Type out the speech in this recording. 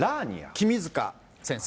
君塚先生。